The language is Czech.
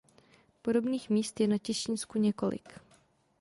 Podobných míst je na Těšínsku několik.